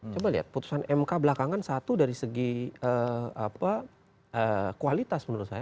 coba lihat putusan mk belakangan satu dari segi kualitas menurut saya